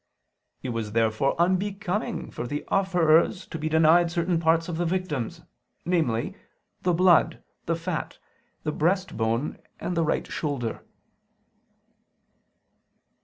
It was therefore unbecoming for the offerers to be denied certain parts of the victims, namely, the blood, the fat, the breastbone and the right shoulder.